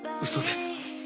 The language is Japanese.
「嘘です」